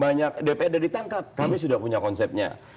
banyak dprd ditangkap kami sudah punya konsepnya